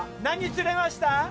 何釣れました？